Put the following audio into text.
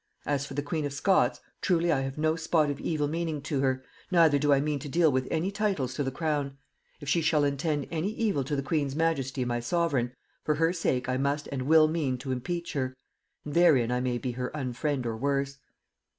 As for the queen of Scots, truly I have no spot of evil meaning to her; neither do I mean to deal with any titles to the crown. If she shall intend any evil to the queen's majesty my sovereign, for her sake I must and will mean to impeach her; and therein I may be her unfriend or worse.